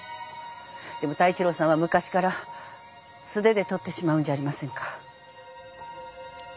でも太一郎さんは昔から素手で取ってしまうんじゃありませんか？